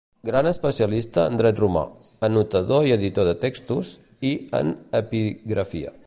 Gran especialista en dret romà, anotador i editor de textos i en epigrafia.